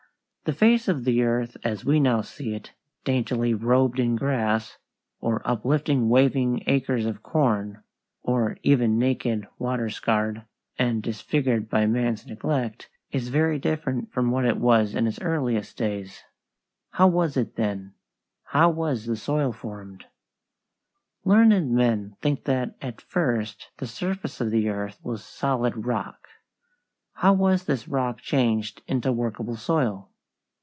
The face of the earth as we now see it, daintily robed in grass, or uplifting waving acres of corn, or even naked, water scarred, and disfigured by man's neglect, is very different from what it was in its earliest days. How was it then? How was the soil formed? Learned men think that at first the surface of the earth was solid rock. How was this rock changed into workable soil?